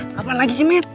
kapan lagi sih med